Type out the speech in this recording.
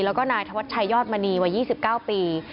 แล้วก็นายธวัชชัยยอดมณีวัย๒๙ปี